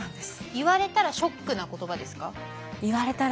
言われたらショックな言葉ですか？